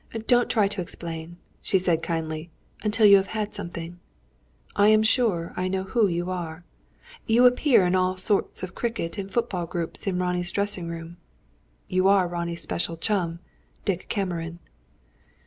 "Don't try to explain," she said kindly, "until you have had something. I am sure I know who you are. You appear in all sorts of cricket and football groups in Ronnie's dressing room. You are Ronnie's special chum, Dick Cameron."